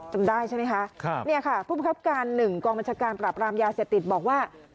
จำได้ใช่ไหมคะเนี่ยค่ะผู้บังคับการ๑กองบัญชาการปรับรามยาเสพติดบอกว่า